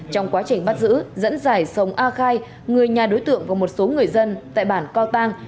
trong quá trình bắt giữ dẫn giải sông a khai người nhà đối tượng và một số người dân tại bản co tăng